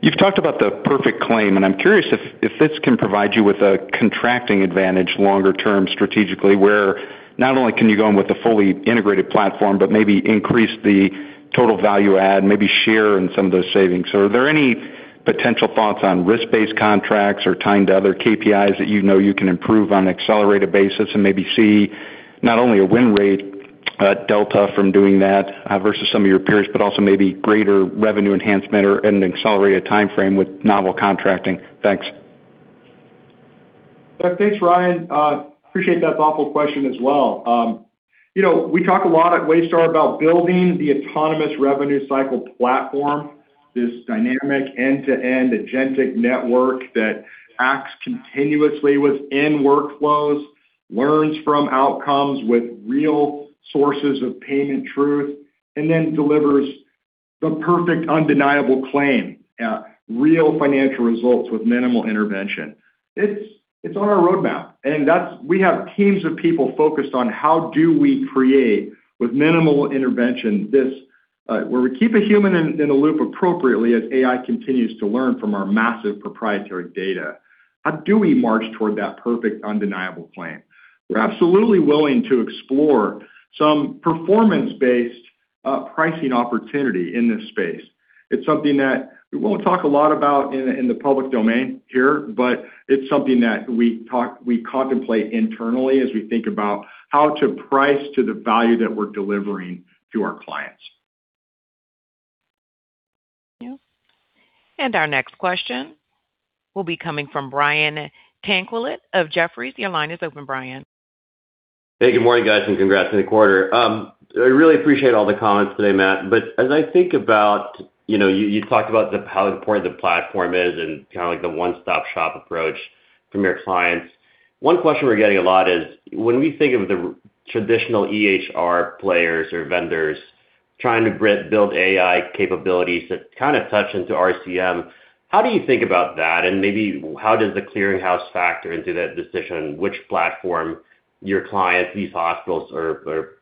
You've talked about the perfect claim, and I'm curious if this can provide you with a contracting advantage longer term strategically, where not only can you go in with a fully integrated platform, but maybe increase the total value add, maybe share in some of those savings. So are there any potential thoughts on risk-based contracts or tying to other KPIs that you know you can improve on an accelerated basis and maybe see not only a win rate delta from doing that versus some of your peers, but also maybe greater revenue enhancement or an accelerated timeframe with novel contracting? Thanks. Thanks, Ryan. Appreciate that thoughtful question as well. You know, we talk a lot at Waystar about building the autonomous revenue cycle platform, this dynamic end-to-end agentic network that acts continuously within workflows, learns from outcomes with real sources of payment truth, and then delivers the perfect, undeniable claim at real financial results with minimal intervention. It's on our roadmap, and that's, we have teams of people focused on how do we create, with minimal intervention, this, where we keep a human in the loop appropriately as AI continues to learn from our massive proprietary data. How do we march toward that perfect, undeniable claim? We're absolutely willing to explore some performance-based pricing opportunity in this space. It's something that we won't talk a lot about in the public domain here, but it's something that we contemplate internally as we think about how to price to the value that we're delivering to our clients. Our next question will be coming from Brian Tanquilut of Jefferies. Your line is open, Brian. Hey, good morning, guys, and congrats on the quarter. I really appreciate all the comments today, Matt. But as I think about, you know, you talked about the, how important the platform is and kinda like the one-stop-shop approach from your clients. One question we're getting a lot is, when we think of the traditional EHR players or vendors trying to build AI capabilities that kind of touch into RCM, how do you think about that? And maybe how does the clearinghouse factor into that decision, which platform your clients, these hospitals or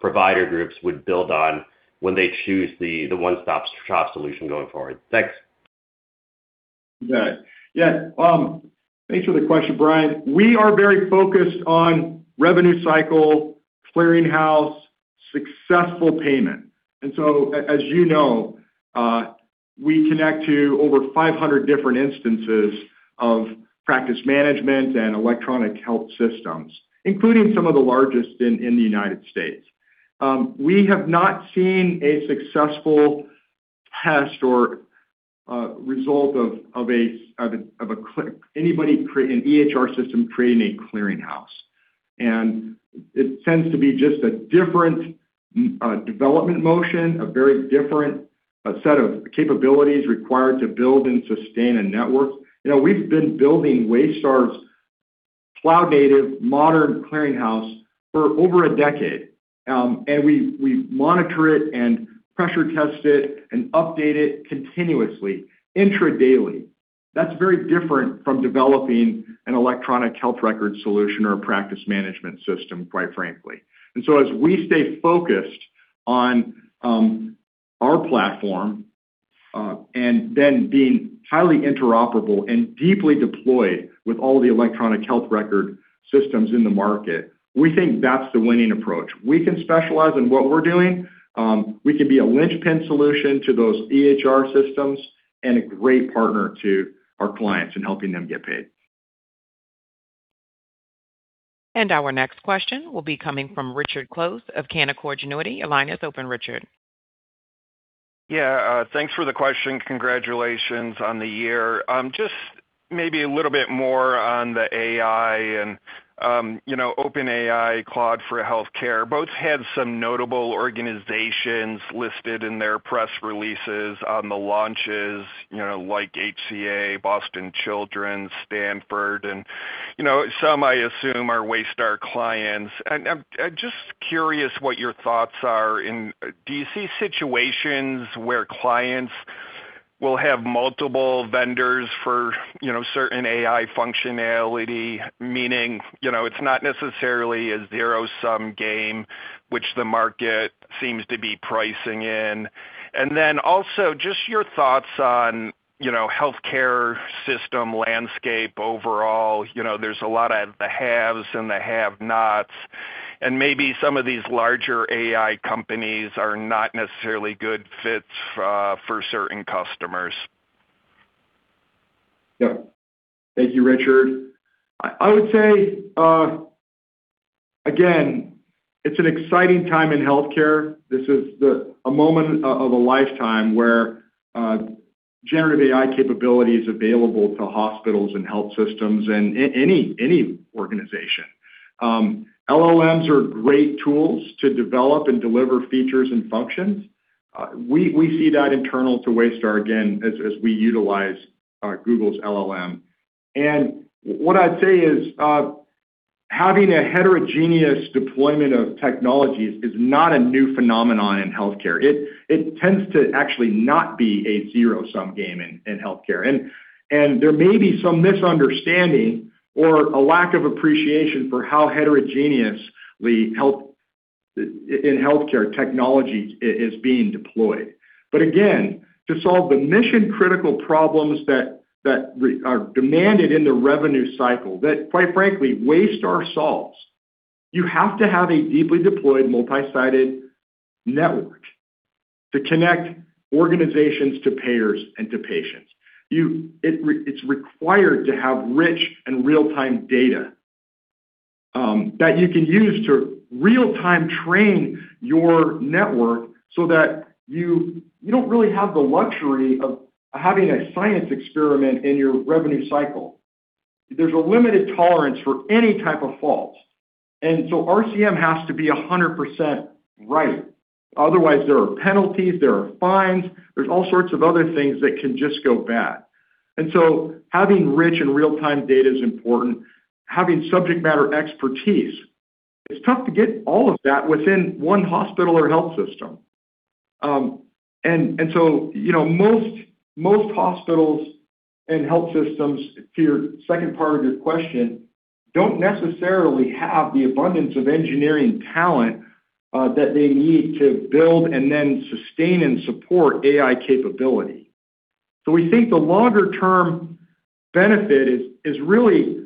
provider groups, would build on when they choose the one-stop-shop solution going forward? Thanks. Good. Yeah, thanks for the question, Brian. We are very focused on revenue cycle, clearinghouse, successful payment. And so as you know, we connect to over 500 different instances of practice management and electronic health systems, including some of the largest in the United States. We have not seen a successful test or result of anybody creating an EHR system, creating a clearinghouse. And it tends to be just a different development motion, a very different set of capabilities required to build and sustain a network. You know, we've been building Waystar's cloud-native modern clearinghouse for over a decade, and we monitor it and pressure test it and update it continuously, intra-daily. That's very different from developing an electronic health record solution or a practice management system, quite frankly. And so as we stay focused on our platform, and then being highly interoperable and deeply deployed with all the electronic health record systems in the market, we think that's the winning approach. We can specialize in what we're doing, we can be a linchpin solution to those EHR systems and a great partner to our clients in helping them get paid. Our next question will be coming from Richard Close of Canaccord Genuity. Your line is open, Richard. Yeah, thanks for the question. Congratulations on the year. Just maybe a little bit more on the AI and, you know, OpenAI, Claude for healthcare. Both had some notable organizations listed in their press releases on the launches, you know, like HCA, Boston Children's, Stanford, and, you know, some, I assume, are Waystar clients. And I'm just curious what your thoughts are in. Do you see situations where clients will have multiple vendors for, you know, certain AI functionality, meaning, you know, it's not necessarily a zero-sum game, which the market seems to be pricing in? And then also, just your thoughts on, you know, healthcare system landscape overall. You know, there's a lot of the haves and the have-nots... and maybe some of these larger AI companies are not necessarily good fits for certain customers? Yeah. Thank you, Richard. I would say, again, it's an exciting time in healthcare. This is a moment of a lifetime where generative AI capability is available to hospitals and health systems and any organization. LLMs are great tools to develop and deliver features and functions. We see that internal to Waystar, again, as we utilize Google's LLM. And what I'd say is, having a heterogeneous deployment of technologies is not a new phenomenon in healthcare. It tends to actually not be a zero-sum game in healthcare. And there may be some misunderstanding or a lack of appreciation for how heterogeneously healthcare technology is being deployed. But again, to solve the mission-critical problems that are demanded in the revenue cycle, that, quite frankly, Waystar solves, you have to have a deeply deployed, multi-sided network to connect organizations to payers and to patients. It’s required to have rich and real-time data that you can use to real-time train your network so that you don't really have the luxury of having a science experiment in your revenue cycle. There's a limited tolerance for any type of fault, and so RCM has to be 100% right. Otherwise, there are penalties, there are fines, there's all sorts of other things that can just go bad. And so having rich and real-time data is important. Having subject matter expertise, it's tough to get all of that within one hospital or health system. So, you know, most hospitals and health systems, to your second part of your question, don't necessarily have the abundance of engineering talent that they need to build and then sustain and support AI capability. So we think the longer-term benefit is really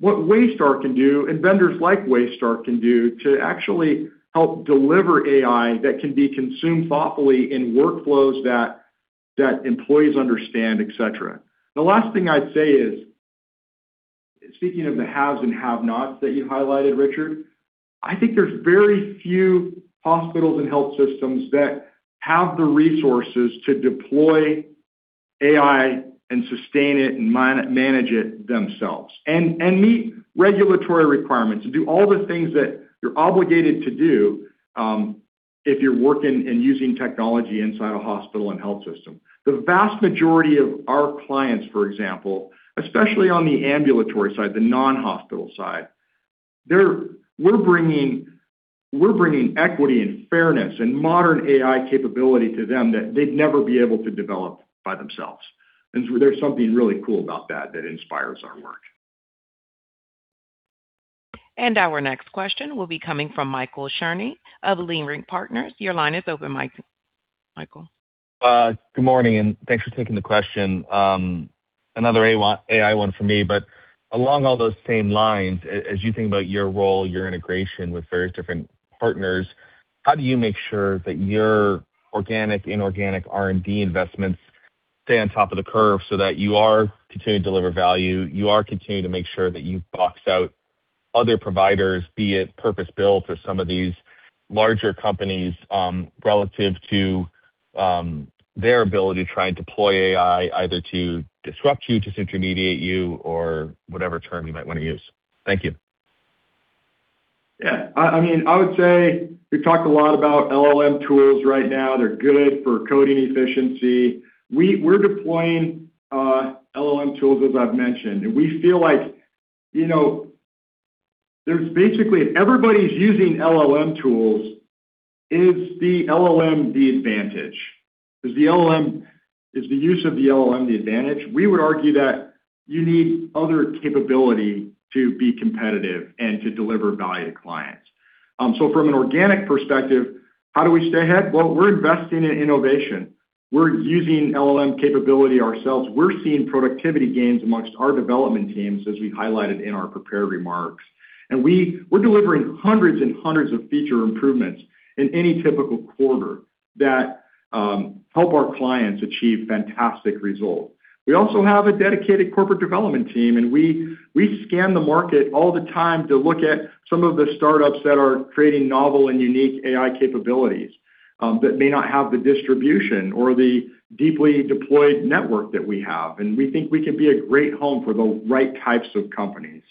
what Waystar can do, and vendors like Waystar can do, to actually help deliver AI that can be consumed thoughtfully in workflows that employees understand, et cetera. The last thing I'd say is, speaking of the haves and have-nots that you highlighted, Richard, I think there's very few hospitals and health systems that have the resources to deploy AI and sustain it and manage it themselves, and meet regulatory requirements, to do all the things that you're obligated to do, if you're working and using technology inside a hospital and health system. The vast majority of our clients, for example, especially on the ambulatory side, the non-hospital side, we're bringing equity and fairness and modern AI capability to them that they'd never be able to develop by themselves. And so there's something really cool about that, that inspires our work. Our next question will be coming from Michael Cherny of Leerink Partners. Your line is open, Michael. Good morning, and thanks for taking the question. Another AI one for me, but along all those same lines, as you think about your role, your integration with various different partners, how do you make sure that your organic, inorganic R&D investments stay on top of the curve so that you are continuing to deliver value, you are continuing to make sure that you box out other providers, be it purpose-built or some of these larger companies, relative to their ability to try and deploy AI, either to disrupt you, to intermediate you, or whatever term you might want to use? Thank you. Yeah, I mean, I would say we've talked a lot about LLM tools right now. They're good for coding efficiency. We're deploying LLM tools, as I've mentioned, and we feel like, you know, there's basically... Everybody's using LLM tools. Is the LLM the advantage? Is the use of the LLM the advantage? We would argue that you need other capability to be competitive and to deliver value to clients. So from an organic perspective, how do we stay ahead? Well, we're investing in innovation. We're using LLM capability ourselves. We're seeing productivity gains amongst our development teams, as we highlighted in our prepared remarks. We're delivering hundreds and hundreds of feature improvements in any typical quarter that help our clients achieve fantastic results. We also have a dedicated corporate development team, and we scan the market all the time to look at some of the startups that are creating novel and unique AI capabilities that may not have the distribution or the deeply deployed network that we have. And we think we can be a great home for the right types of companies.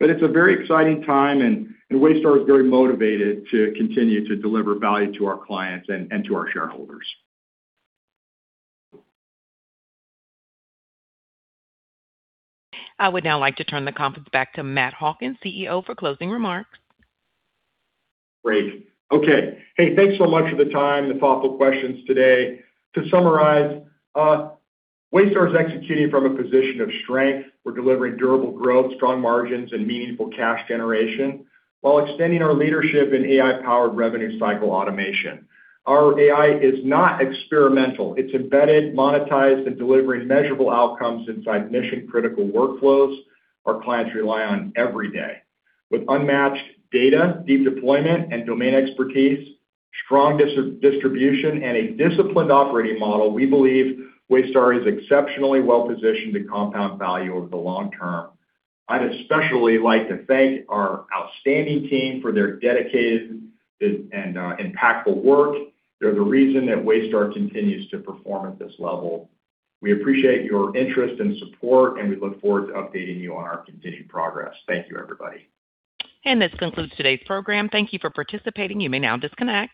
But it's a very exciting time, and Waystar is very motivated to continue to deliver value to our clients and to our shareholders. I would now like to turn the conference back to Matt Hawkins, CEO, for closing remarks. Great. Okay. Hey, thanks so much for the time, the thoughtful questions today. To summarize, Waystar is executing from a position of strength. We're delivering durable growth, strong margins, and meaningful cash generation while extending our leadership in AI-powered revenue cycle automation. Our AI is not experimental. It's embedded, monetized, and delivering measurable outcomes inside mission-critical workflows our clients rely on every day. With unmatched data, deep deployment, and domain expertise, strong distribution, and a disciplined operating model, we believe Waystar is exceptionally well-positioned to compound value over the long term. I'd especially like to thank our outstanding team for their dedicated and impactful work. They're the reason that Waystar continues to perform at this level. We appreciate your interest and support, and we look forward to updating you on our continued progress. Thank you, everybody. This concludes today's program. Thank you for participating. You may now disconnect.